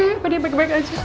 apa dia baik baik aja